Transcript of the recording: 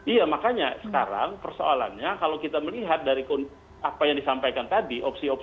iya makanya sekarang persoalannya kalau kita melihat dari apa yang disampaikan tadi opsi opsi